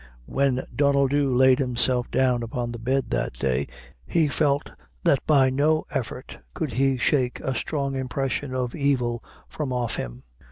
When Donnel Dhu laid himself down upon the bed that day, he felt that by no effort could he shake a strong impression of evil from off him.